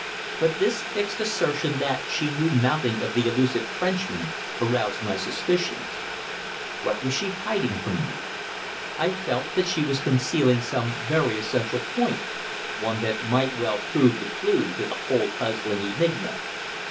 But this fixed assertion that she knew nothing of the elusive Frenchman aroused my suspicions. What was she hiding from me? I felt that she was concealing some very essential point one that might well prove the clue to the whole puzzling enigma.